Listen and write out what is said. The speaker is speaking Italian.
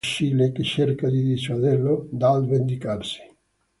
Fa tappa a casa di Lucille che cerca di dissuaderlo dal vendicarsi.